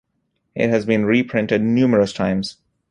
It has been reprinted numerous times.